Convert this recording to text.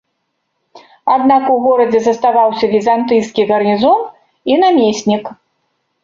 Аднак у горадзе заставаўся візантыйскі гарнізон і намеснік.